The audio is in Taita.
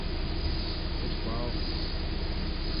Uw'u kwaogha?